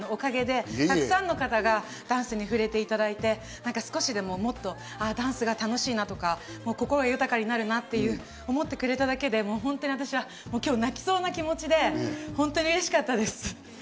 本当にスッキリさんのおかげでたくさんの方がダンスに触れていただいて、少しでももっとダンスが楽しいなとか、心豊かになるなと思ってくれただけで本当に私は今日、泣きそうな気持ちで本当にうれしかったです。